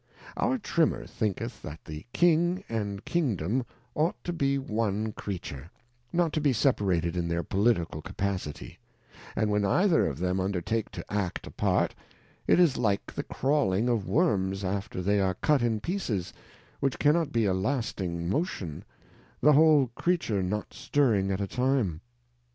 Our Trimmer thinketb that the King and Kingdom ought to be one Creature, not to be separated in their Political Capacity ; and when either of them undertake to act a part, it is like the crawling of Worms after they are cut in pieces, which cannot be a lasting motion, the whole Creature not stirring at a time.